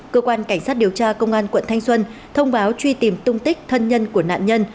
cơ quan cảnh sát điều tra công an quận thanh xuân thông báo truy tìm tung tích thân nhân của nạn nhân